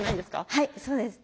はいそうです。